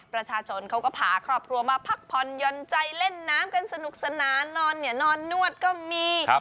ประชาชนเขาก็พาครอบครัวมาพักผ่อนหย่อนใจเล่นน้ำกันสนุกสนานนอนเนี่ยนอนนวดก็มี